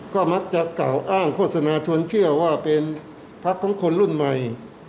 ก็มักจะกล่าวอ้างโฆษณาชวนเชื่อว่าเป็นพักของคนรุ่นใหม่